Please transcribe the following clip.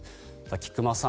菊間さん